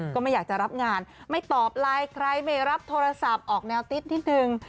ก็ไม่อยากจะรับงานไม่ตอบไลน์ใครไม่รับโทรศัพท์ออกแนวติ๊ดนิดนึง